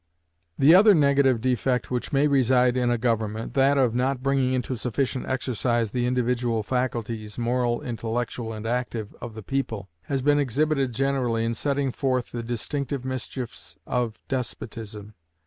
The other negative defect which may reside in a government, that of not bringing into sufficient exercise the individual faculties, moral, intellectual, and active, of the people, has been exhibited generally in setting forth the distinctive mischiefs of despotism.